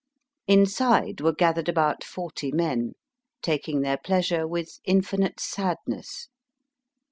Inside were gathered about forty men, taking their pleasure with infinite sadness.